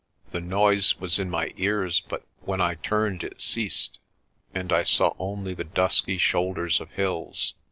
The noise was in my ears, but when I turned it ceased, and I saw only the dusky shoulders of hills.